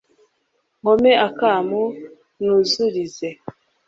nkome akamu nuzurize